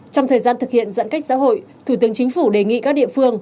trong thời gian thực hiện giãn cách xã hội thủ tướng chính phủ đề nghị các địa phương